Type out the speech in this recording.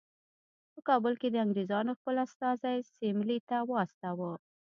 په کابل کې د انګریزانو خپل استازی سیملې ته واستاوه.